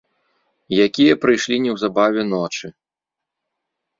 Якія прыйшлі неўзабаве ночы!